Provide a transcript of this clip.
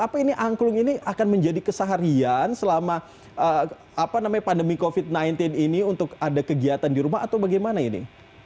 tapi ini angklung ini akan menjadi keseharian selama pandemi covid sembilan belas ini untuk ada kegiatan di rumah atau bagaimana ini